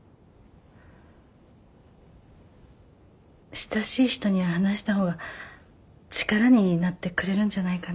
親しい人には話した方が力になってくれるんじゃないかな。